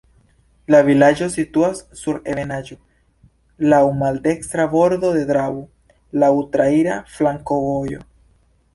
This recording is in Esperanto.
La vilaĝo situas sur ebenaĵo, laŭ maldekstra bordo de Dravo, laŭ traira flankovojo.